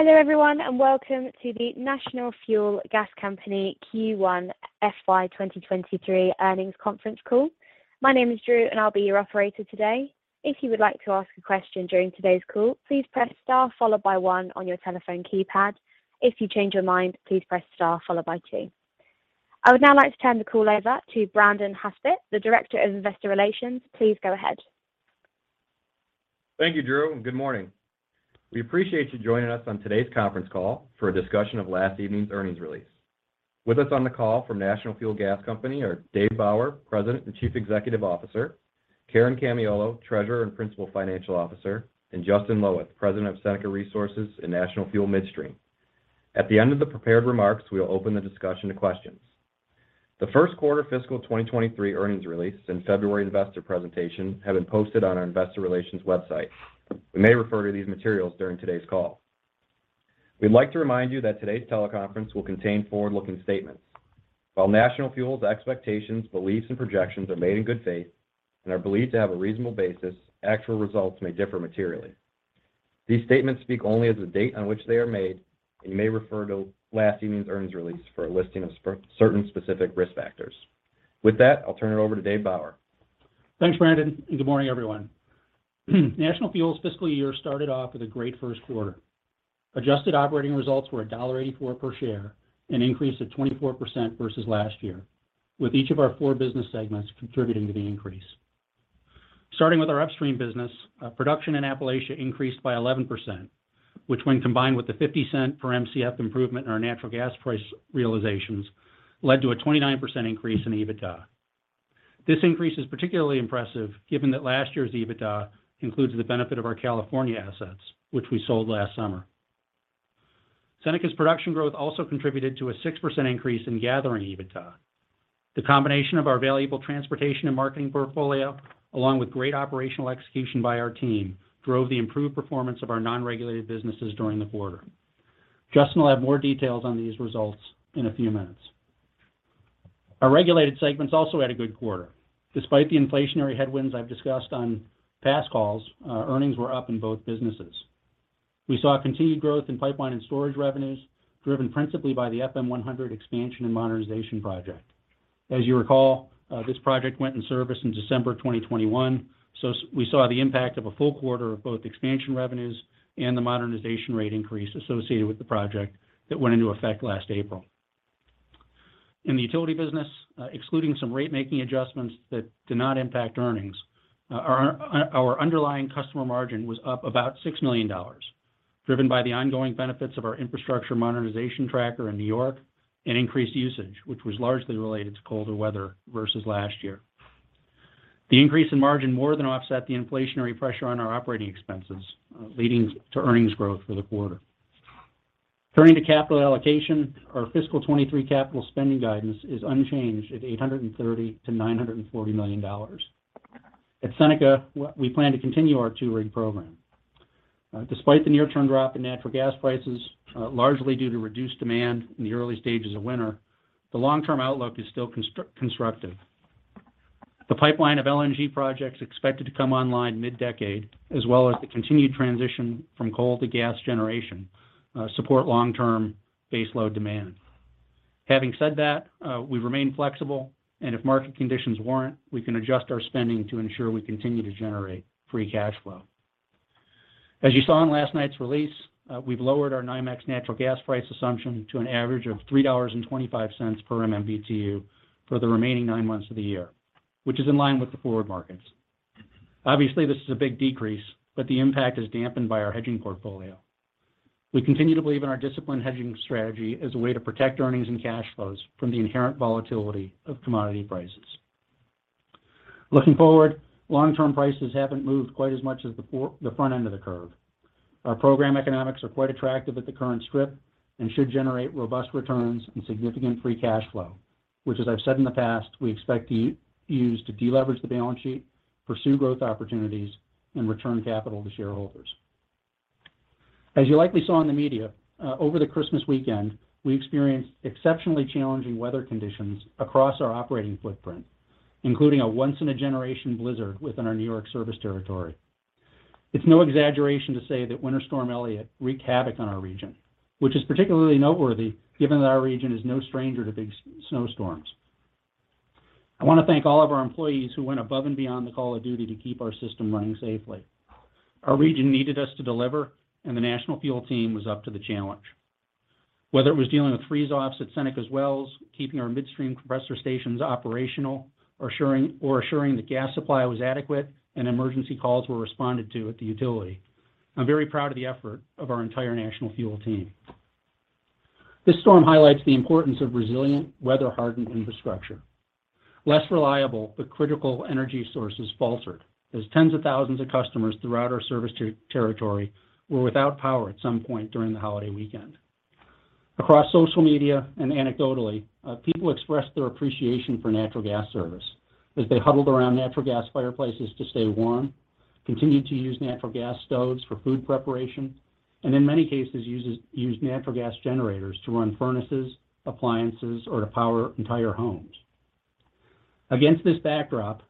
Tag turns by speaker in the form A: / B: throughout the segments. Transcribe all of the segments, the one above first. A: Hello everyone, welcome to the National Fuel Gas Company Q1 FY 2023 earnings conference call. My name is Drew. I'll be your operator today. If you would like to ask a question during today's call, please press star followed by one on your telephone keypad. If you change your mind, please press star followed by two. I would now like to turn the call over to Brandon Haspett, the Director of Investor Relations. Please go ahead.
B: Thank you, Drew, and good morning. We appreciate you joining us on today's conference call for a discussion of last evening's earnings release. With us on the call from National Fuel Gas Company are David P. Bauer, President and Chief Executive Officer, Karen M. Camiolo, Treasurer and Principal Financial Officer, and Justin I. Loweth, President of Seneca Resources and National Fuel Midstream. At the end of the prepared remarks, we will open the discussion to questions. The first quarter fiscal 2023 earnings release and February investor presentation have been posted on our investor relations website. We may refer to these materials during today's call. We'd like to remind you that today's teleconference will contain forward-looking statements. While National Fuel's expectations, beliefs, and projections are made in good faith and are believed to have a reasonable basis, actual results may differ materially. These statements speak only as of the date on which they are made, and you may refer to last evening's earnings release for a listing of certain specific risk factors. With that, I'll turn it over to David P. Bauer.
C: Thanks, Brandon. Good morning, everyone. National Fuel's fiscal year started off with a great first quarter. Adjusted operating results were $1.84 per share, an increase of 24% versus last year, with each of our four business segments contributing to the increase. Starting with our upstream business, production in Appalachia increased by 11%, which when combined with the $0.50 per Mcf improvement in our natural gas price realizations, led to a 29% increase in EBITDA. This increase is particularly impressive given that last year's EBITDA includes the benefit of our California assets, which we sold last summer. Seneca's production growth also contributed to a 6% increase in gathering EBITDA. The combination of our valuable transportation and marketing portfolio, along with great operational execution by our team, drove the improved performance of our non-regulated businesses during the quarter. Justin will have more details on these results in a few minutes. Our regulated segments also had a good quarter. Despite the inflationary headwinds I've discussed on past calls, earnings were up in both businesses. We saw continued growth in pipeline and storage revenues, driven principally by the FM100 expansion and modernization project. As you recall, this project went in service in December 2021, so we saw the impact of a full quarter of both expansion revenues and the modernization rate increase associated with the project that went into effect last April. In the utility business, excluding some rate-making adjustments that did not impact earnings, our underlying customer margin was up about $6 million, driven by the ongoing benefits of our infrastructure modernization tracker in New York and increased usage, which was largely related to colder weather versus last year. The increase in margin more than offset the inflationary pressure on our operating expenses, leading to earnings growth for the quarter. Turning to capital allocation, our fiscal 2023 capital spending guidance is unchanged at $830 million-$940 million. At Seneca, we plan to continue our two-ring program. Despite the near-term drop in natural gas prices, largely due to reduced demand in the early stages of winter, the long-term outlook is still constructive. The pipeline of LNG projects expected to come online mid-decade, as well as the continued transition from coal to gas generation, support long-term baseload demand. Having said that, we remain flexible, and if market conditions warrant, we can adjust our spending to ensure we continue to generate free cash flow. As you saw in last night's release, we've lowered our NYMEX natural gas price assumption to an average of $3.25 per MMBtu for the remaining nine months of the year, which is in line with the forward markets. Obviously, this is a big decrease, but the impact is dampened by our hedging portfolio. We continue to believe in our disciplined hedging strategy as a way to protect earnings and cash flows from the inherent volatility of commodity prices. Looking forward, long-term prices haven't moved quite as much as the front end of the curve. Our program economics are quite attractive at the current strip and should generate robust returns and significant free cash flow, which, as I've said in the past, we expect to use to deleverage the balance sheet, pursue growth opportunities, and return capital to shareholders. As you likely saw in the media, over the Christmas weekend, we experienced exceptionally challenging weather conditions across our operating footprint, including a once-in-a-generation blizzard within our New York service territory. It's no exaggeration to say that Winter Storm Elliott wreaked havoc on our region, which is particularly noteworthy given that our region is no stranger to big snowstorms. I wanna thank all of our employees who went above and beyond the call of duty to keep our system running safely. Our region needed us to deliver, and the National Fuel team was up to the challenge. Whether it was dealing with freeze-offs at Seneca's Wells, keeping our midstream compressor stations operational or assuring the gas supply was adequate and emergency calls were responded to at the utility. I'm very proud of the effort of our entire National Fuel team. This storm highlights the importance of resilient, weather-hardened infrastructure. Less reliable, but critical energy sources faltered as tens of thousands of customers throughout our service territory were without power at some point during the holiday weekend. Across social media and anecdotally, people expressed their appreciation for natural gas service as they huddled around natural gas fireplaces to stay warm, continued to use natural gas stoves for food preparation, and in many cases used natural gas generators to run furnaces, appliances or to power entire homes. Against this backdrop,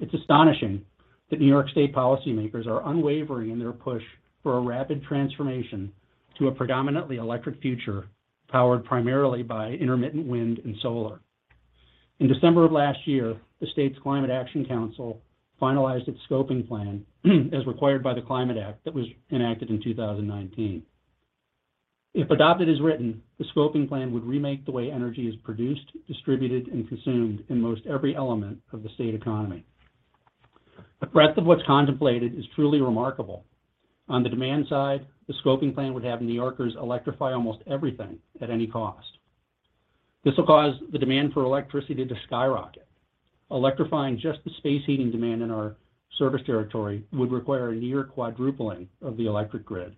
C: it's astonishing that New York State policymakers are unwavering in their push for a rapid transformation to a predominantly electric future, powered primarily by intermittent wind and solar. In December of last year, the state's Climate Action Council finalized its scoping plan as required by the Climate Act that was enacted in 2019. If adopted as written, the scoping plan would remake the way energy is produced, distributed, and consumed in most every element of the state economy. The breadth of what's contemplated is truly remarkable. On the demand side, the scoping plan would have New Yorkers electrify almost everything at any cost. This will cause the demand for electricity to skyrocket. Electrifying just the space heating demand in our service territory would require a near quadrupling of the electric grid.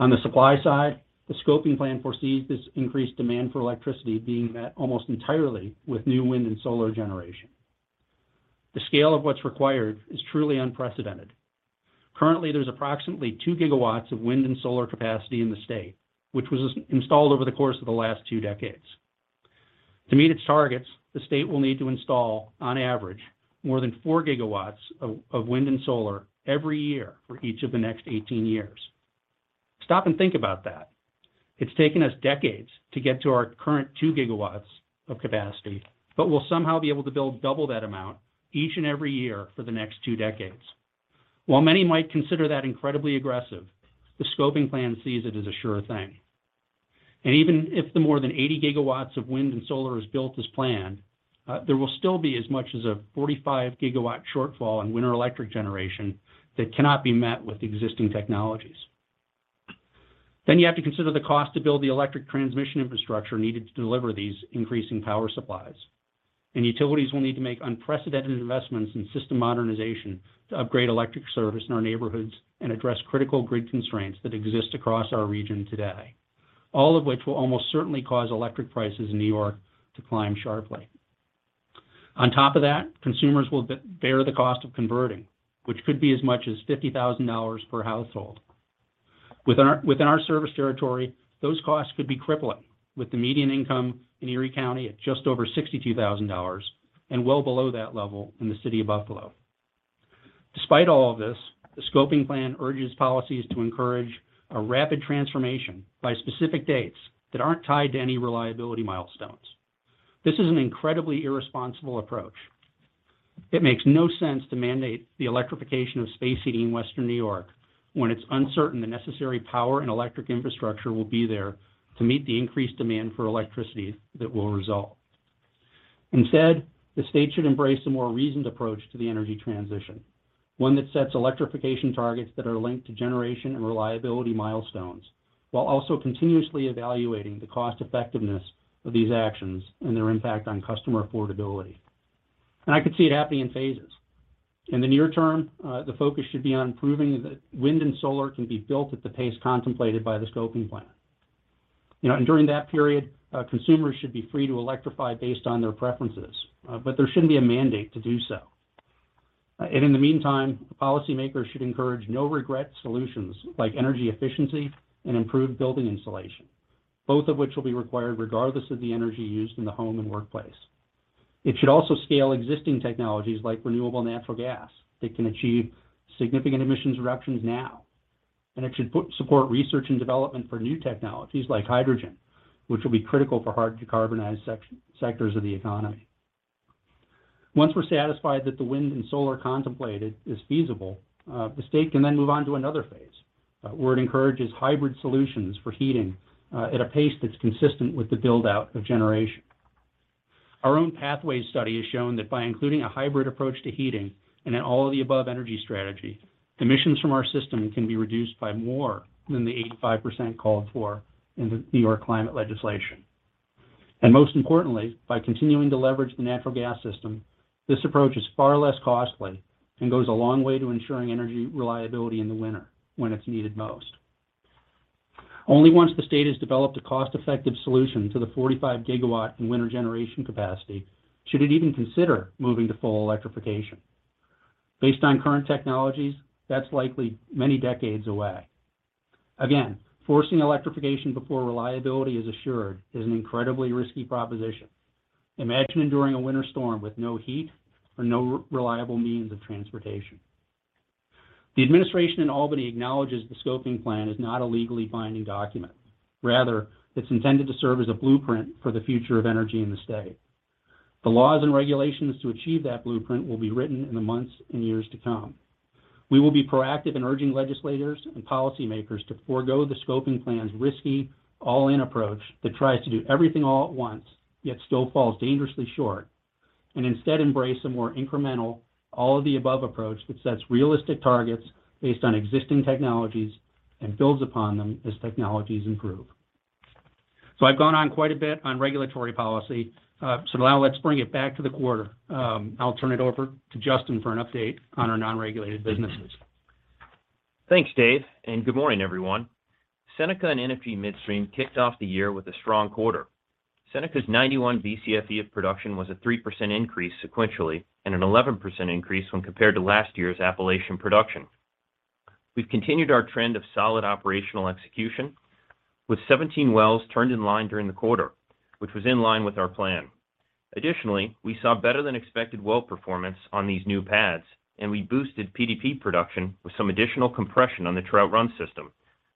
C: On the supply side, the scoping plan foresees this increased demand for electricity being met almost entirely with new wind and solar generation. The scale of what's required is truly unprecedented. Currently, there's approximately 2 GW of wind and solar capacity in the state, which was installed over the course of the last two decades. To meet its targets, the state will need to install, on average, more than 4 GW of wind and solar every year for each of the next 18 years. Stop and think about that. It's taken us decades to get to our current 2 GW of capacity, but we'll somehow be able to build double that amount each and every year for the next two decades. While many might consider that incredibly aggressive, the scoping plan sees it as a sure thing. Even if the more than 80 GW of wind and solar is built as planned, there will still be as much as a 45 GW shortfall in winter electric generation that cannot be met with existing technologies. You have to consider the cost to build the electric transmission infrastructure needed to deliver these increasing power supplies. Utilities will need to make unprecedented investments in system modernization to upgrade electric service in our neighborhoods and address critical grid constraints that exist across our region today. All of which will almost certainly cause electric prices in New York to climb sharply. On top of that, consumers will bear the cost of converting, which could be as much as $50,000 per household. Within our service territory, those costs could be crippling with the median income in Erie County at just over $62,000 and well below that level in the city of Buffalo. Despite all of this, the scoping plan urges policies to encourage a rapid transformation by specific dates that aren't tied to any reliability milestones. This is an incredibly irresponsible approach. It makes no sense to mandate the electrification of space heating in Western New York when it's uncertain the necessary power and electric infrastructure will be there to meet the increased demand for electricity that will result. Instead, the state should embrace a more reasoned approach to the energy transition, one that sets electrification targets that are linked to generation and reliability milestones, while also continuously evaluating the cost-effectiveness of these actions and their impact on customer affordability. I could see it happening in phases. In the near term, the focus should be on proving that wind and solar can be built at the pace contemplated by the scoping plan. You know, during that period, consumers should be free to electrify based on their preferences, but there shouldn't be a mandate to do so. In the meantime, policymakers should encourage no regrets solutions like energy efficiency and improved building insulation, both of which will be required regardless of the energy used in the home and workplace. It should also scale existing technologies like renewable natural gas that can achieve significant emissions reductions now. It should put support research and development for new technologies like hydrogen, which will be critical for hard to carbonize sectors of the economy. Once we're satisfied that the wind and solar contemplated is feasible, the state can then move on to another phase, where it encourages hybrid solutions for heating, at a pace that's consistent with the build-out of generation. Our own Pathways study has shown that by including a hybrid approach to heating and an all-of-the-above energy strategy, emissions from our system can be reduced by more than the 85% called for in the New York climate legislation. Most importantly, by continuing to leverage the natural gas system, this approach is far less costly and goes a long way to ensuring energy reliability in the winter when it's needed most. Only once the state has developed a cost-effective solution to the 45 gigawatt in winter generation capacity should it even consider moving to full electrification. Based on current technologies, that's likely many decades away. Forcing electrification before reliability is assured is an incredibly risky proposition. Imagine enduring a winter storm with no heat or no reliable means of transportation. The administration in Albany acknowledges the scoping plan is not a legally binding document. Rather, it's intended to serve as a blueprint for the future of energy in the state. The laws and regulations to achieve that blueprint will be written in the months and years to come. We will be proactive in urging legislators and policymakers to forego the scoping plan's risky all-in approach that tries to do everything all at once, yet still falls dangerously short, and instead embrace a more incremental, all-of-the-above approach that sets realistic targets based on existing technologies and builds upon them as technologies improve. I've gone on quite a bit on regulatory policy. Now let's bring it back to the quarter. I'll turn it over to Justin for an update on our non-regulated businesses.
D: Thanks, Dave. Good morning, everyone. Seneca and NFG Midstream kicked off the year with a strong quarter. Seneca's 91 Bcfe of production was a 3% increase sequentially and an 11% increase when compared to last year's Appalachian production. We've continued our trend of solid operational execution with 17 wells turned in line during the quarter, which was in line with our plan. Additionally, we saw better than expected well performance on these new pads. We boosted PDP production with some additional compression on the Trout Run system,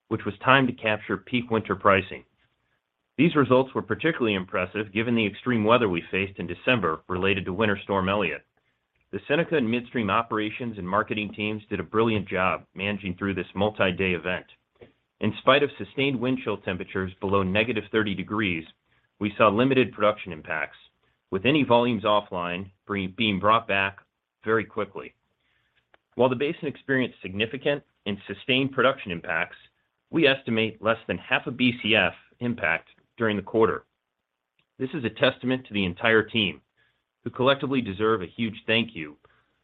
D: which was timed to capture peak winter pricing. These results were particularly impressive given the extreme weather we faced in December related to Winter Storm Elliott. The Seneca and Midstream operations and marketing teams did a brilliant job managing through this multi-day event. In spite of sustained wind chill temperatures below -30 degrees, we saw limited production impacts, with any volumes offline being brought back very quickly. While the basin experienced significant and sustained production impacts, we estimate less than half a Bcf impact during the quarter. This is a testament to the entire team, who collectively deserve a huge thank you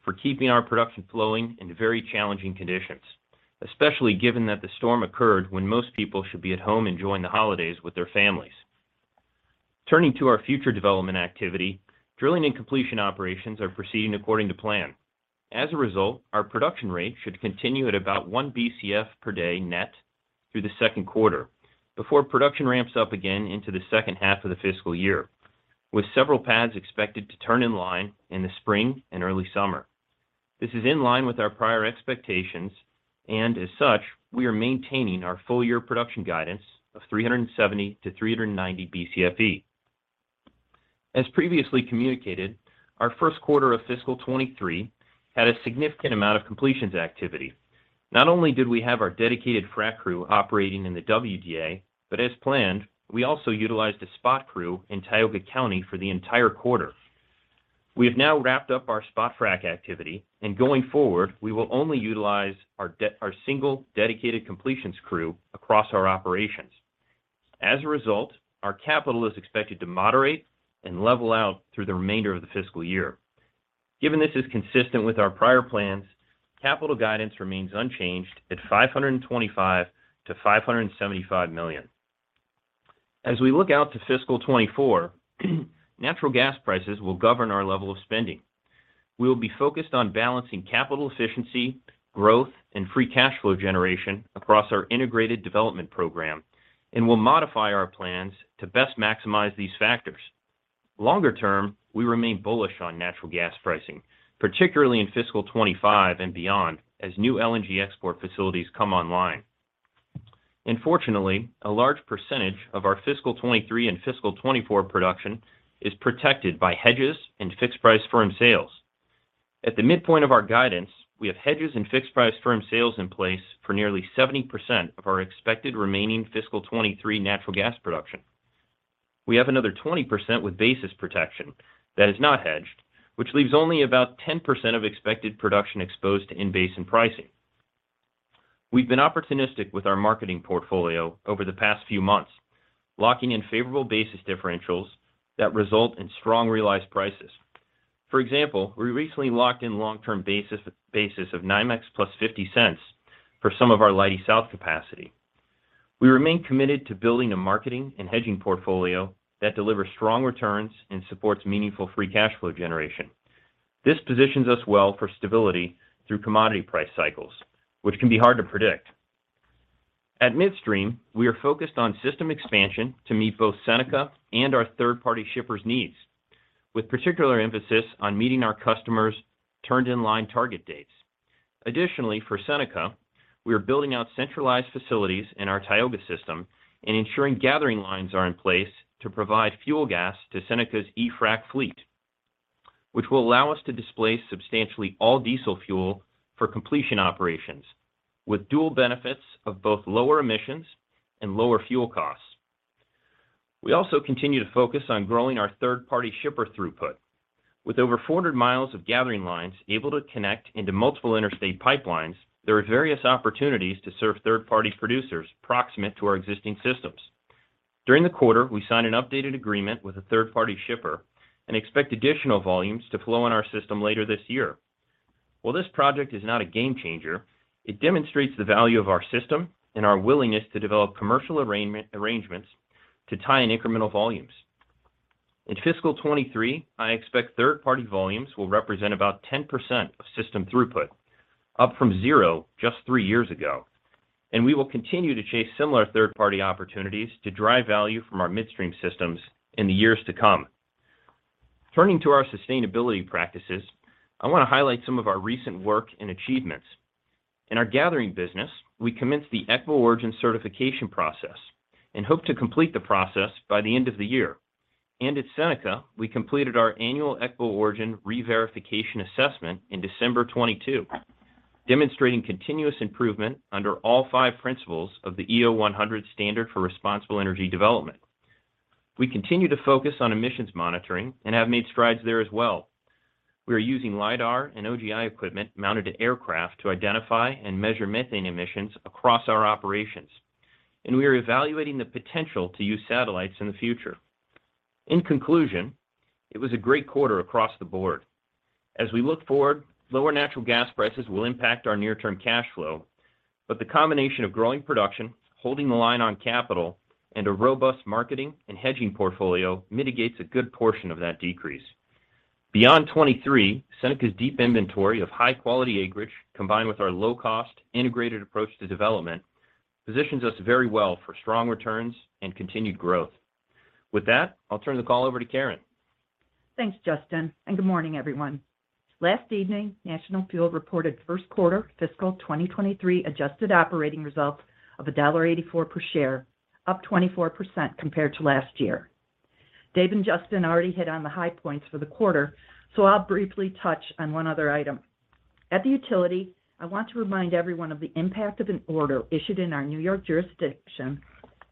D: for keeping our production flowing in very challenging conditions, especially given that the storm occurred when most people should be at home enjoying the holidays with their families. Turning to our future development activity, drilling and completion operations are proceeding according to plan. As a result, our production rate should continue at about one Bcf per day net through the second quarter before production ramps up again into the second half of the fiscal year, with several pads expected to turn in line in the spring and early summer. This is in line with our prior expectations, as such, we are maintaining our full year production guidance of 370-390 Bcfe. As previously communicated, our first quarter of fiscal 2023 had a significant amount of completions activity. Not only did we have our dedicated frac crew operating in the WDA, as planned, we also utilized a spot crew in Tioga County for the entire quarter. We have now wrapped up our spot frac activity, going forward, we will only utilize our single dedicated completions crew across our operations. As a result, our capital is expected to moderate and level out through the remainder of the fiscal year. Given this is consistent with our prior plans, capital guidance remains unchanged at $525 million-$575 million. As we look out to fiscal 2024, natural gas prices will govern our level of spending. We will be focused on balancing capital efficiency, growth, and free cash flow generation across our integrated development program and will modify our plans to best maximize these factors. Longer term, we remain bullish on natural gas pricing, particularly in fiscal 2025 and beyond as new LNG export facilities come online. Fortunately, a large percentage of our fiscal 2023 and fiscal 2024 production is protected by hedges and fixed price firm sales. At the midpoint of our guidance, we have hedges and fixed price firm sales in place for nearly 70% of our expected remaining fiscal 2023 natural gas production. We have another 20% with basis protection that is not hedged, which leaves only about 10% of expected production exposed to in-basin pricing. We've been opportunistic with our marketing portfolio over the past few months, locking in favorable basis differentials that result in strong realized prices. For example, we recently locked in long-term basis of NYMEX +$0.50 for some of our Leidy South capacity. We remain committed to building a marketing and hedging portfolio that delivers strong returns and supports meaningful free cash flow generation. This positions us well for stability through commodity price cycles, which can be hard to predict. At Midstream, we are focused on system expansion to meet both Seneca and our third-party shippers' needs, with particular emphasis on meeting our customers' turned in line target dates. Additionally, for Seneca, we are building out centralized facilities in our Tioga system and ensuring gathering lines are in place to provide fuel gas to Seneca's e-frac fleet, which will allow us to displace substantially all diesel fuel for completion operations with dual benefits of both lower emissions and lower fuel costs. We also continue to focus on growing our third-party shipper throughput. With over 400 miles of gathering lines able to connect into multiple interstate pipelines, there are various opportunities to serve third-party producers proximate to our existing systems. During the quarter, we signed an updated agreement with a third-party shipper and expect additional volumes to flow in our system later this year. While this project is not a game changer, it demonstrates the value of our system and our willingness to develop commercial arrangements to tie in incremental volumes. In fiscal 2023, I expect third-party volumes will represent about 10% of system throughput, up from zero just three years ago. We will continue to chase similar third-party opportunities to drive value from our midstream systems in the years to come. Turning to our sustainability practices, I want to highlight some of our recent work and achievements. In our gathering business, we commenced the EquiOrigin certification process and hope to complete the process by the end of the year. At Seneca, we completed our annual EquiOrigin re-verification assessment in December 2022, demonstrating continuous improvement under all five principles of the EO100 Standard for responsible energy development. We continue to focus on emissions monitoring and have made strides there as well. We are using LIDAR and OGI equipment mounted to aircraft to identify and measure methane emissions across our operations. We are evaluating the potential to use satellites in the future. In conclusion, it was a great quarter across the board. We look forward, lower natural gas prices will impact our near-term cash flow. The combination of growing production, holding the line on capital, and a robust marketing and hedging portfolio mitigates a good portion of that decrease. Beyond 2023, Seneca's deep inventory of high-quality acreage, combined with our low-cost integrated approach to development, positions us very well for strong returns and continued growth. With that, I'll turn the call over to Karen.
E: Thanks, Justin, good morning, everyone. Last evening, National Fuel reported first quarter fiscal 2023 adjusted operating results of $1.84 per share, up 24% compared to last year. Dave and Justin already hit on the high points for the quarter. I'll briefly touch on one other item. At the utility, I want to remind everyone of the impact of an order issued in our New York jurisdiction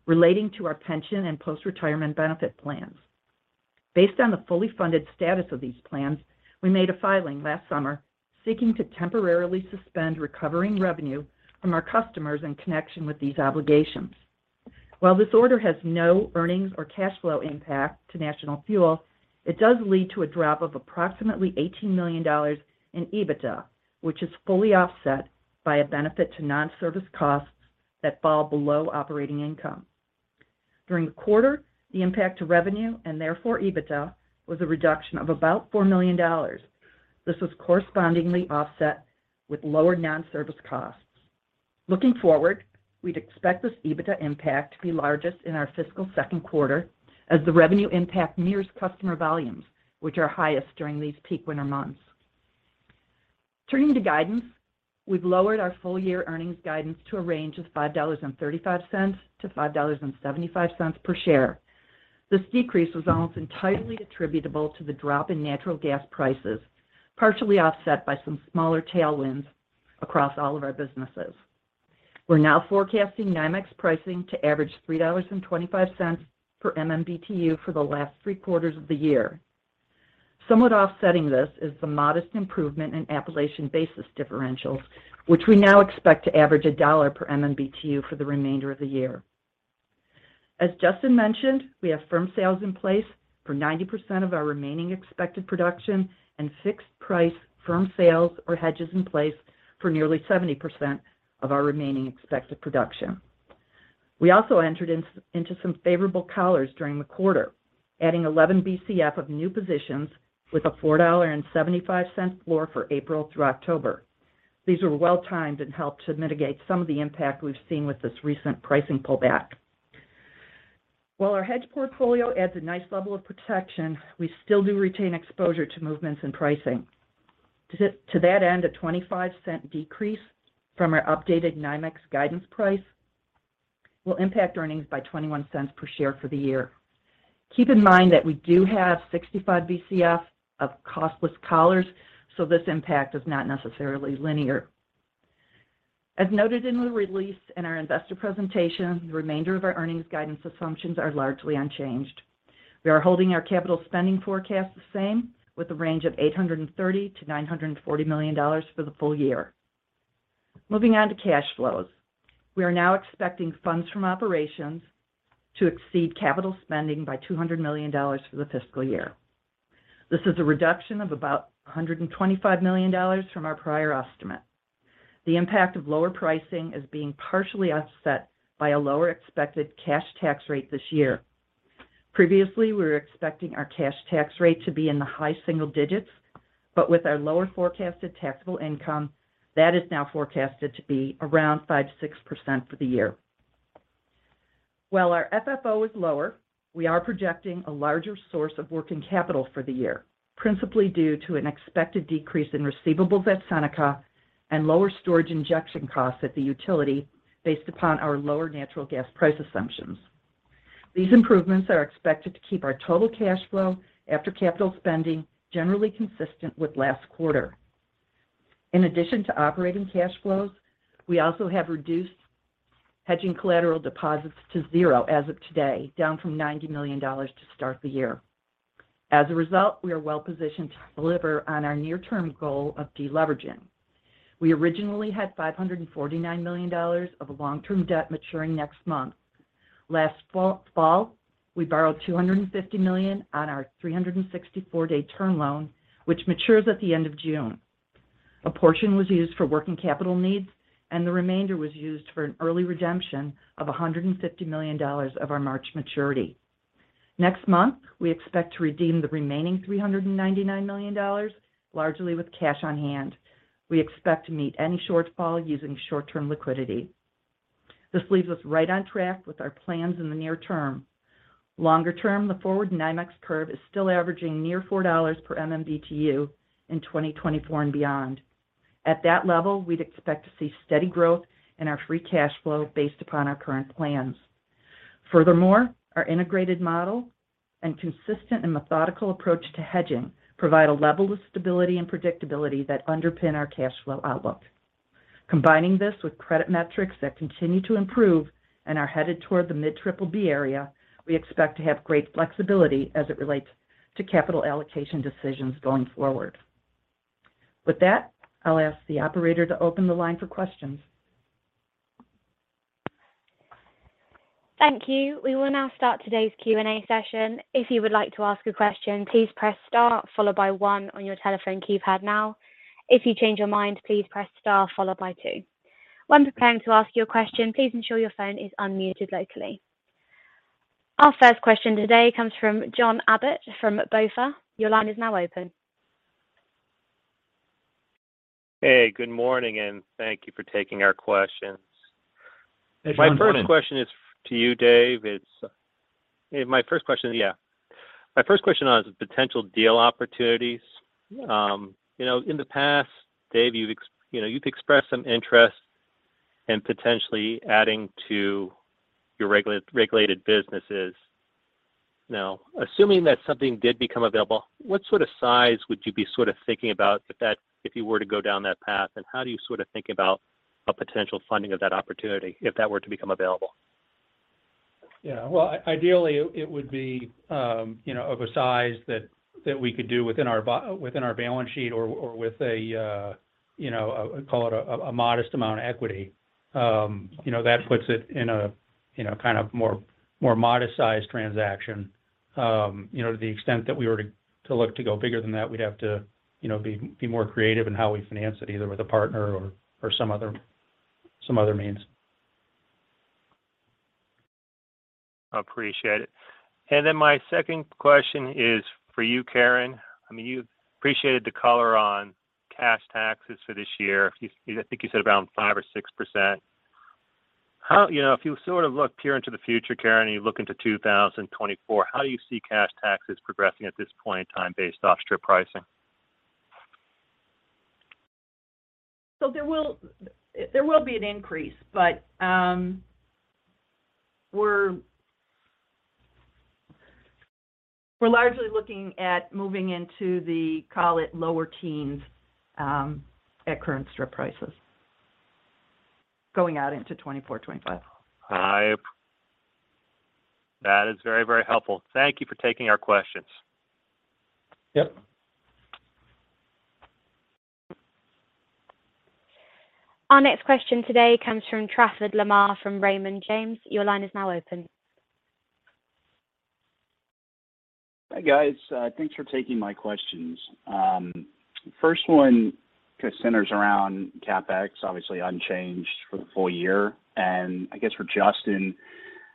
E: relating to our pension and post-retirement benefit plans. Based on the fully funded status of these plans, we made a filing last summer seeking to temporarily suspend recovering revenue from our customers in connection with these obligations. While this order has no earnings or cash flow impact to National Fuel, it does lead to a drop of approximately $18 million in EBITDA, which is fully offset by a benefit to non-service costs that fall below operating income. During the quarter, the impact to revenue, and therefore EBITDA, was a reduction of about $4 million. This was correspondingly offset with lower non-service costs. Looking forward, we'd expect this EBITDA impact to be largest in our fiscal second quarter as the revenue impact mirrors customer volumes, which are highest during these peak winter months. Turning to guidance, we've lowered our full-year earnings guidance to a range of $5.35-$5.75 per share. This decrease was almost entirely attributable to the drop in natural gas prices, partially offset by some smaller tailwinds across all of our businesses. We're now forecasting NYMEX pricing to average $3.25 per MMBtu for the last three quarters of the year. Somewhat offsetting this is the modest improvement in Appalachian basis differentials, which we now expect to average $1 per MMBtu for the remainder of the year. As Justin mentioned, we have firm sales in place for 90% of our remaining expected production and fixed-price firm sales or hedges in place for nearly 70% of our remaining expected production. We also entered into some favorable collars during the quarter, adding 11 Bcf of new positions with a $4.75 floor for April through October. These were well-timed and helped to mitigate some of the impact we've seen with this recent pricing pullback. While our hedge portfolio adds a nice level of protection, we still do retain exposure to movements in pricing. To that end, a $0.25 decrease from our updated NYMEX guidance price will impact earnings by $0.21 per share for the year. Keep in mind that we do have 65 Bcf of costless collars, so this impact is not necessarily linear. As noted in the release in our investor presentation, the remainder of our earnings guidance assumptions are largely unchanged. We are holding our capital spending forecast the same, with a range of $830 million-$940 million for the full year. Moving on to cash flows. We are now expecting funds from operations to exceed capital spending by $200 million for the fiscal year. This is a reduction of about $125 million from our prior estimate. The impact of lower pricing is being partially offset by a lower expected cash tax rate this year. Previously, we were expecting our cash tax rate to be in the high single digits. With our lower forecasted taxable income, that is now forecasted to be around 5%-6% for the year. While our FFO is lower, we are projecting a larger source of working capital for the year, principally due to an expected decrease in receivables at Seneca and lower storage injection costs at the utility based upon our lower natural gas price assumptions. These improvements are expected to keep our total cash flow after capital spending generally consistent with last quarter. In addition to operating cash flows, we also have reduced hedging collateral deposits to zero as of today, down from $90 million to start the year. As a result, we are well positioned to deliver on our near-term goal of deleveraging. We originally had $549 million of long-term debt maturing next month. Last fall, we borrowed $250 million on our 364-day term loan, which matures at the end of June. A portion was used for working capital needs, and the remainder was used for an early redemption of $150 million of our March maturity. Next month, we expect to redeem the remaining $399 million, largely with cash on hand. We expect to meet any shortfall using short-term liquidity. This leaves us right on track with our plans in the near term. Longer term, the forward NYMEX curve is still averaging near $4 per MMBtu in 2024 and beyond. At that level, we'd expect to see steady growth in our free cash flow based upon our current plans. Furthermore, our integrated model and consistent and methodical approach to hedging provide a level of stability and predictability that underpin our cash flow outlook. Combining this with credit metrics that continue to improve and are headed toward the mid-BBB area, we expect to have great flexibility as it relates to capital allocation decisions going forward. With that, I'll ask the operator to open the line for questions.
A: Thank you. We will now start today's Q&A session. If you would like to ask a question, please press star followed by one on your telephone keypad now. If you change your mind, please press star followed by two. When preparing to ask your question, please ensure your phone is unmuted locally. Our first question today comes from John Abbott from BofA. Your line is now open.
F: Hey, good morning, and thank you for taking our questions.
C: Hey, John. Good morning.
F: My first question is to you, Dave. My first question on is potential deal opportunities. you know, in the past, Dave, you know, you've expressed some interest in potentially adding to your regulated businesses. Now, assuming that something did become available, what sort of size would you be sort of thinking about if you were to go down that path, and how do you sort of think about a potential funding of that opportunity if that were to become available?
C: Well, ideally, it would be, you know, of a size that we could do within our balance sheet or with a, you know, call it a modest amount of equity. That puts it in a, you know, kind of more modest-sized transaction. To the extent that we were to look to go bigger than that, we'd have to, you know, be more creative in how we finance it, either with a partner or some other means.
F: Appreciate it. My second question is for you, Karen. I mean, you appreciated the color on cash taxes for this year. You, I think you said around 5% or 6%. You know, if you sort of look peer into the future, Karen, you look into 2024, how do you see cash taxes progressing at this point in time based off strip pricing?
E: There will be an increase, but we're largely looking at moving into the, call it, lower teens at current strip prices going out into 2024, 2025.
F: That is very, very helpful. Thank you for taking our questions.
C: Yep.
A: Our next question today comes from Trafford Lamar from Raymond James. Your line is now open.
G: Hi, guys. Thanks for taking my questions. First one kind of centers around CapEx, obviously unchanged for the full year. I guess for Justin,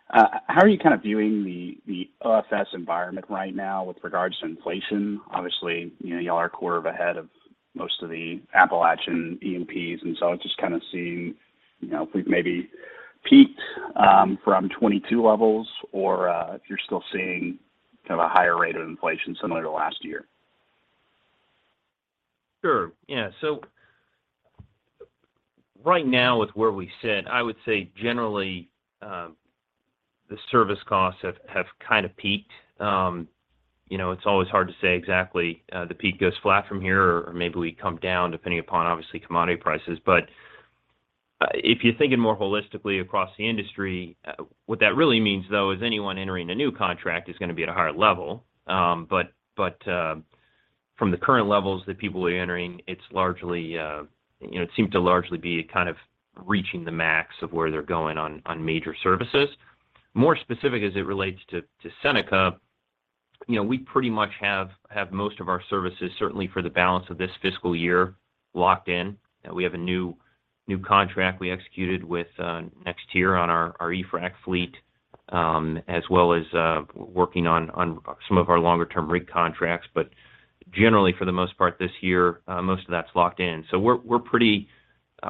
G: how are you kind of viewing the OSS environment right now with regards to inflation? Obviously, you know, y'all are a quarter ahead of most of the Appalachian E&Ps, just kind of seeing, you know, if we've maybe peaked from 2022 levels or if you're still seeing kind of a higher rate of inflation similar to last year.
D: Sure. Yeah. Right now with where we sit, I would say generally, the service costs have kind of peaked. You know, it's always hard to say exactly, the peak goes flat from here or maybe we come down depending upon obviously commodity prices. If you're thinking more holistically across the industry, what that really means, though, is anyone entering a new contract is gonna be at a higher level. But from the current levels that people are entering, it's largely, you know, it seem to largely be kind of reaching the max of where they're going on major services. More specific as it relates to Seneca, you know, we pretty much have most of our services, certainly for the balance of this fiscal year, locked in. We have a new contract we executed with next year on our e-frac fleet, as well as working on some of our longer-term rig contracts. Generally, for the most part this year, most of that's locked in. We're pretty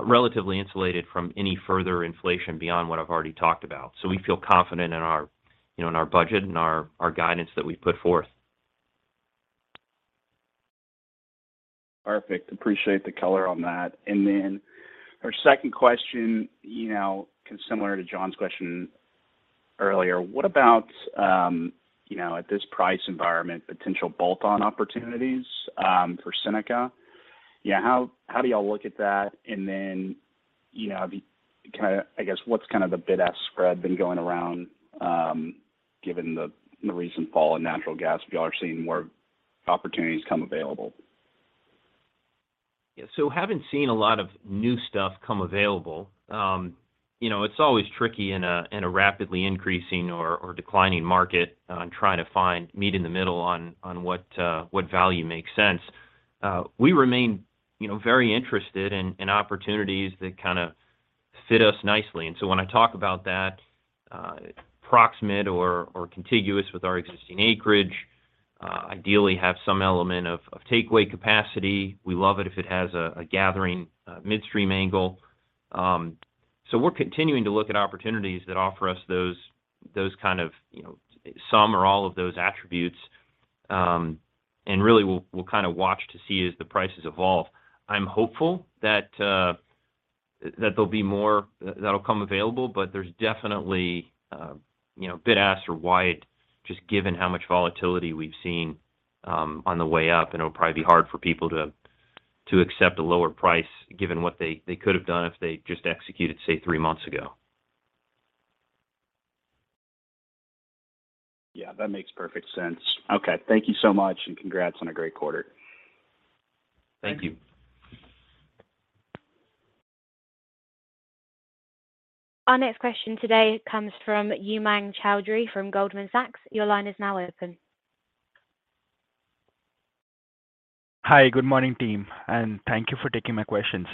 D: relatively insulated from any further inflation beyond what I've already talked about. We feel confident in our, you know, in our budget and our guidance that we've put forth.
G: Perfect. Appreciate the color on that. Our second question, you know, similar to John's question earlier, what about, you know, at this price environment, potential bolt-on opportunities, for Seneca? How do y'all look at that? Kinda, I guess, what's kind of the bid-ask spread been going around, given the recent fall in natural gas? If you are seeing more opportunities come available.
D: a lot of new stuff come available. You know, it's always tricky in a rapidly increasing or declining market on trying to find meet in the middle on what value makes sense. We remain, you know, very interested in opportunities that kind of fit us nicely. When I talk about that, proximate or contiguous with our existing acreage, ideally have some element of takeaway capacity. We love it if it has a gathering midstream angle. We're continuing to look at opportunities that offer us those kind of, you know, some or all of those attributes, and really we'll kind of watch to see as the prices evolve. I'm hopeful that there'll be more that'll come available, but there's definitely, you know, bid-ask or wide just given how much volatility we've seen, on the way up, and it'll probably be hard for people to accept a lower price given what they could have done if they just executed, say, three months ago.
G: Yeah, that makes perfect sense. Okay. Thank you so much, and congrats on a great quarter.
D: Thank you.
A: Our next question today comes from Umang Choudhary from Goldman Sachs. Your line is now open.
H: Hi, good morning team. Thank you for taking my questions.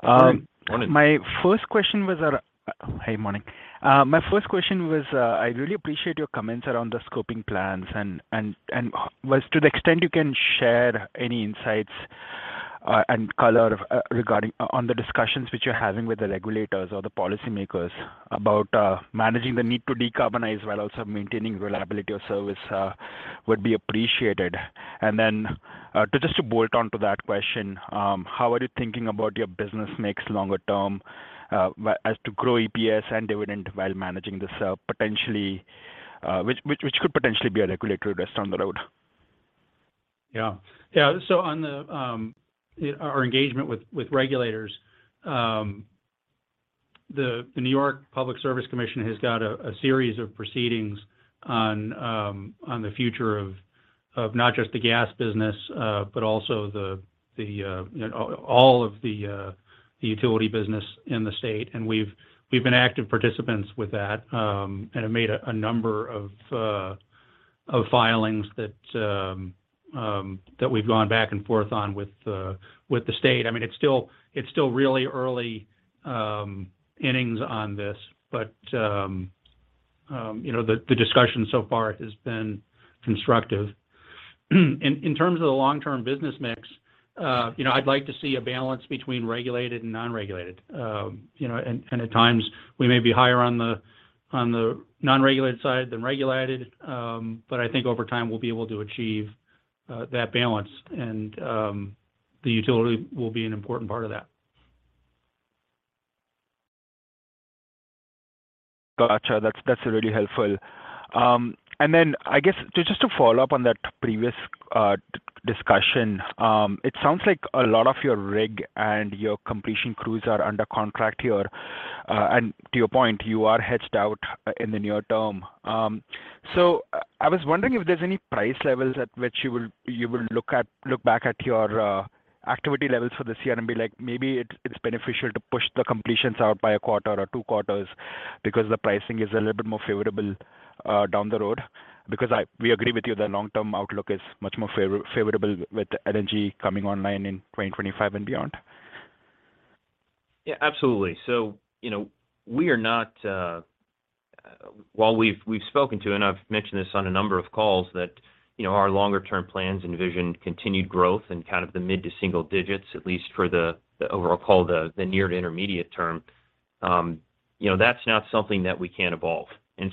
C: Good morning.
H: My first question was. Hey, morning. My first question was, I really appreciate your comments around the scoping plans and was to the extent you can share any insights and color regarding on the discussions which you're having with the regulators or the policy makers about managing the need to decarbonize while also maintaining reliability of service would be appreciated. To just to bolt on to that question, how are you thinking about your business mix longer term as to grow EPS and dividend while managing the sale potentially which could potentially be a regulatory risk down the road?
C: Yeah. Yeah. On our engagement with regulators, the New York Public Service Commission has got a series of proceedings on the future of not just the gas business, but also all of the utility business in the state. We've been active participants with that, and have made a number of filings that we've gone back and forth on with the state. I mean, it's still really early innings on this. You know, the discussion so far has been constructive. In terms of the long-term business mix, you know, I'd like to see a balance between regulated and non-regulated. You know, and at times we may be higher on the, on the non-regulated side than regulated, but I think over time we'll be able to achieve that balance and the utility will be an important part of that.
H: Gotcha. That's really helpful. I guess just to follow up on that previous discussion, it sounds like a lot of your rig and your completion crews are under contract here. To your point, you are hedged out in the near term. I was wondering if there's any price levels at which you will look at, look back at your activity levels for this year and be like, maybe it's beneficial to push the completions out by a quarter or two quarters because the pricing is a little bit more favorable down the road. We agree with you that long-term outlook is much more favorable with LNG coming online in 2025 and beyond.
D: Yeah. Absolutely. You know, we are not, while we've spoken to, and I've mentioned this on a number of calls that, you know, our longer term plans envision continued growth in kind of the mid to single digits at least for the overall call, the near to intermediate term, you know, that's not something that we can't evolve.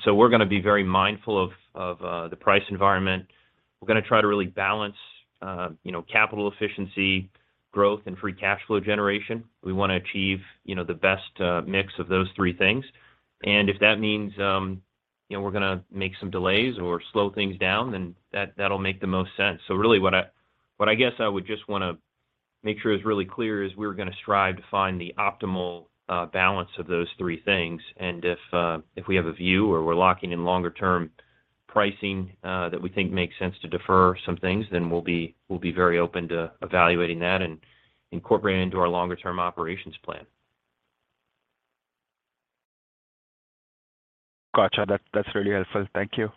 D: We're gonna be very mindful of the price environment. We're gonna try to really balance, you know, capital efficiency, growth and free cash flow generation. We wanna achieve, you know, the best mix of those three things. If that means, you know, we're gonna make some delays or slow things down, then that'll make the most sense. Really what I guess I would just wanna make sure is really clear is we're gonna strive to find the optimal balance of those three things. If we have a view or we're locking in longer term pricing that we think makes sense to defer some things, then we'll be very open to evaluating that and incorporating into our longer term operations plan.
H: Gotcha. That's really helpful. Thank you.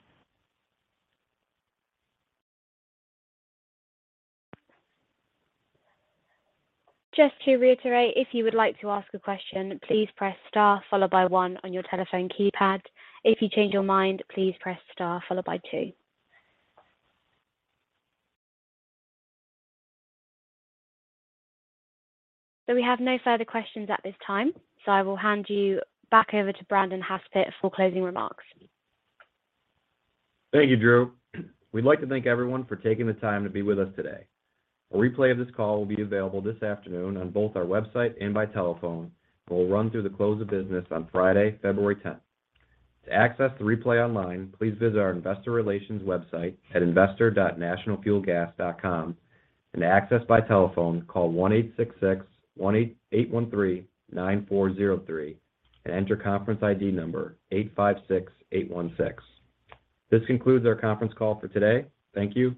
A: Just to reiterate, if you would like to ask a question, please press star followed by 1 on your telephone keypad. If you change your mind, please press star followed by two. We have no further questions at this time, so I will hand you back over to Brandon Haspett for closing remarks.
B: Thank you, Drew. We'd like to thank everyone for taking the time to be with us today. A replay of this call will be available this afternoon on both our website and by telephone, and will run through the close of business on Friday, February 10th. To access the replay online, please visit our investor relations website at investor.nationalfuelgas.com. To access by telephone, call 1866-813-9403 and enter conference ID number 856816. This concludes our conference call for today. Thank you.